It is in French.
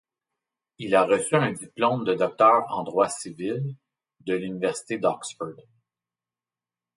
Il a reçu un diplôme de Docteur en Droit Civil de l'Université d'Oxford.